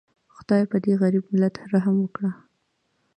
خدایه پدې غریب ملت رحم وکړي